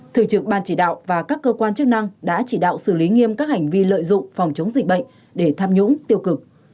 thường trực ban chỉ đạo và các cơ quan chức năng đã chỉ đạo xử lý nghiêm các hành vi lợi dụng phòng chống dịch bệnh để tham nhũng tiêu cực